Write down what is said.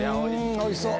おいしそう！